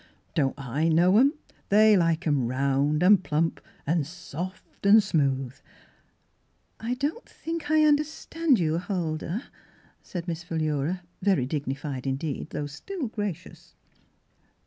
" Don't I know 'em? They like 'em round and plump an' soft an' smooth.'* " I don't think I understand you, Hul dah," said Miss Philura, very dignified in deed, though still gracious.